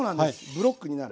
ブロックになる。